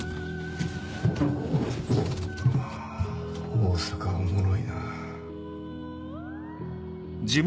大阪おもろいな。